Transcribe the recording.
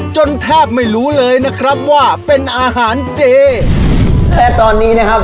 แทบไม่รู้เลยนะครับว่าเป็นอาหารเจแต่ตอนนี้นะครับ